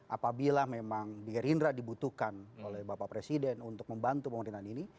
apabila memang gerindra dibutuhkan oleh bapak presiden untuk membantu pemerintahan ini